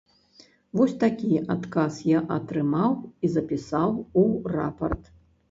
Вось такі адказ я атрымаў і запісаў у рапарт.